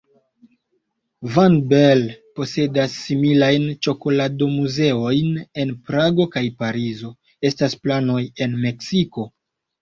Van Belle posedas similajn ĉokolado-muzeojn en Prago kaj Parizo; estas planoj en Meksiko.